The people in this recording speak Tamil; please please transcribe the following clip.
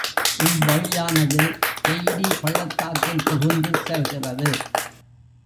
இவ்வழியானது கெய்டி பள்ளத்தாக்கில் புகுந்து செல்கிறது.